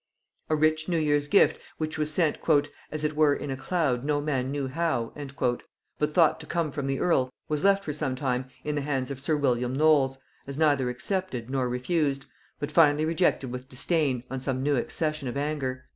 A rich new year's gift, which was sent "as it were in a cloud no man knew how," but thought to come from the earl, was left for some time in the hands of sir William Knolles, as neither accepted nor refused, but finally rejected with disdain on some new accession of anger.